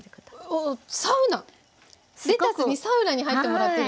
えっサウナ⁉レタスにサウナに入ってもらってる。